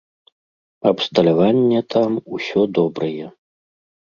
Абсталяванне там усё добрае.